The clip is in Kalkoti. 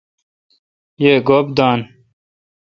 یی گوپ دان۔